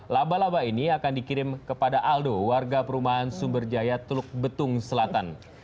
laba laba ini akan dikirim kepada aldo warga perumahan sumberjaya teluk betung selatan